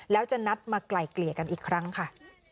แล้วจะนัดมาไกลเกลี่ยกันอีกครั้งค่ะ